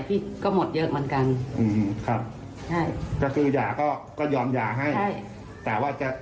พี่ก็หมดเยอะเหมือนกันครับใช่